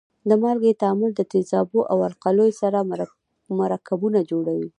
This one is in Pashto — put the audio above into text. د مالګې تعامل د تیزابو او القلیو سره مرکبونه جوړوي.